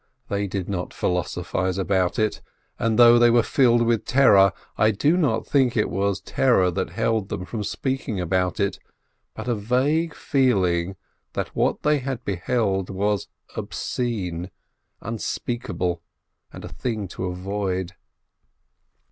They did not philosophise about it; and though they were filled with terror, I do not think it was terror that held them from speaking about it, but a vague feeling that what they had beheld was obscene, unspeakable, and a thing to avoid.